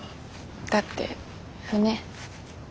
だって船。